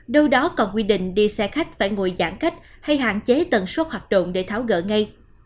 đâu đó còn quy định đi xe khách phải ngồi giãn cách hay hạn chế tần suất hoạt động để tháo gỡ ngay